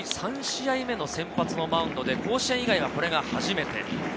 ３試合目の先発のマウンドで甲子園以外ではこれが初めて。